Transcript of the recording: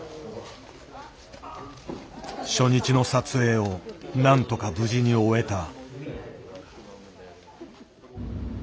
初日の撮影をなんとか無事に終えた。